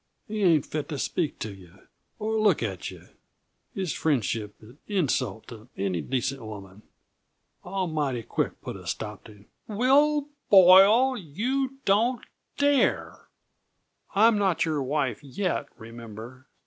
He ain't fit to speak to yuh, or look at yuh; his friendship's an insult to any decent woman. I'll mighty quick put a stop to " "Will Boyle, you don't dare! I'm not your wife yet, remember!